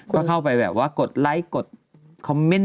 ก็เข้าไปแบบว่ากดไลค์กดคอมเมนต์